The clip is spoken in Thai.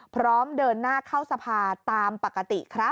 พร้อมเดินหน้าเข้าสภาตามปกติครับ